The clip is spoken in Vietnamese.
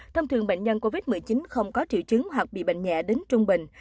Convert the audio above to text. thông thường bệnh nhân covid một mươi chín không có triệu chứng hoặc bị bệnh nhẹ đến trung bình